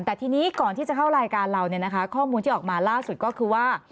แต่ทีนี้ก่อนที่จะเข้ารายการเราข้อมูลที่ออกมาล่าสุดก็คือว่า